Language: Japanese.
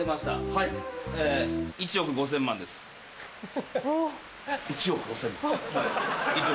はい１億５０００万。